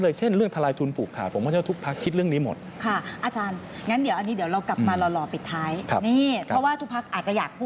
นี่เพราะว่าทุกพักอาจจะอยากพูดนะคะ